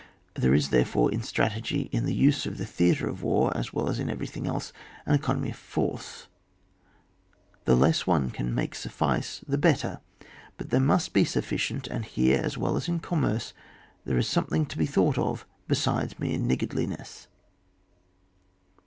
There is, ^erefore, in strategy, m the use of the theatre of war as well as in everything else, an economy of force ; the less one can make suffice the oetter : but there must be sufficient, and here, as well as in commerce, there is something to be thought of besides mere niggardlmess.